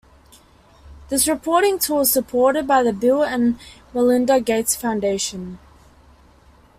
This reporting tool is supported by the Bill and Melinda Gates Foundation.